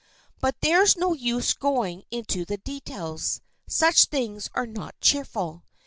But there's no use going into the details. Such things are not cheerful.